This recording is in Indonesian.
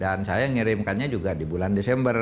dan saya ngirimkannya juga di bulan desember